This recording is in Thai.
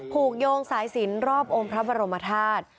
ผูกโยงสายศีลรอบอมพระบรมธาตุ